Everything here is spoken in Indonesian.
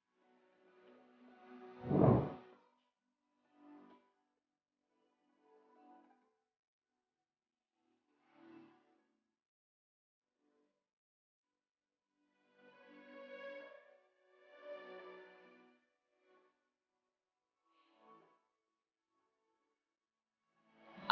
dateng u noch